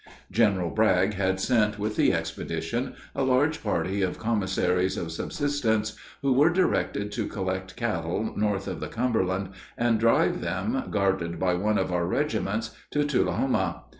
General Bragg had sent with the expedition a large party of commissaries of subsistence, who were directed to collect cattle north of the Cumberland and drive them, guarded by one of our regiments, to Tullahoma.